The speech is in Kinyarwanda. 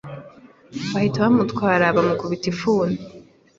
bahita bamutwara bamukubita ifuni